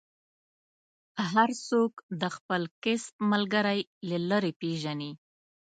هر څوک د خپل کسب ملګری له لرې پېژني.